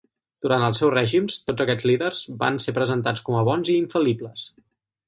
Durant els seus règims, tots aquests líders van ser presentats com a bons i infal·libles.